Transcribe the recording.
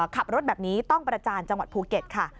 ขับรถแบบนี้ต้องประจานจังหวัดภูเก็ตค่ะ